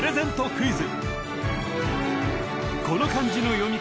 クイズ